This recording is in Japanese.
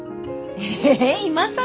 え今更？